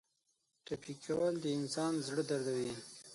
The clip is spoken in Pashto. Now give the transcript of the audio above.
ټپي کول د انسان زړه دردوي.